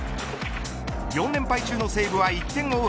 ４連敗中の西武は１点を追う